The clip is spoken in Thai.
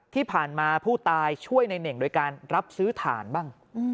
ที่ผ่านมาผู้ตายช่วยในเน่งโดยการรับซื้อฐานบ้าง